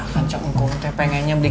kan cak ngkong teh pengennya beli